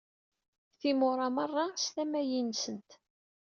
Timura merra s tamayin-nsent.